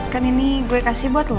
kan ini gue kasih buat loh